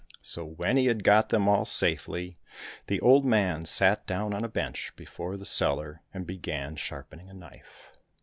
So when he had got them all safely, the old man sat down on a bench before the cellar and began sharpening a knife.